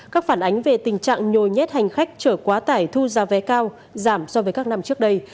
các phản ánh về tình trạng nhồi nhét hành khách trở quá tải thu giá vé cao giảm so với các năm trước đây